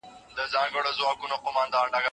تاسي هغه وخت څه کول؟